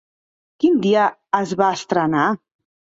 Quin dia es va estrenar?